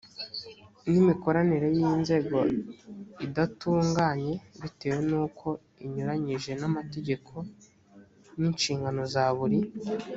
n imikoranire y inzego idatunganye bitewe n uko inyuranyije n amategeko n inshingano za buri